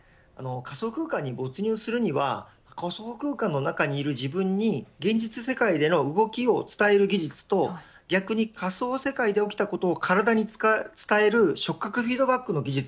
仮想空間に没入するには仮想空間の中にいる自分に現実世界での動きを伝える技術と逆に、仮想世界で起きたことを体に伝える触覚フィードバックの技術。